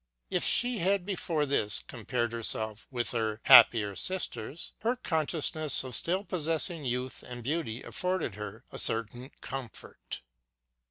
If she had before this compared herself with her happier sisters, her consciousness of still possessing youth and beauty afforded her a certain comfort.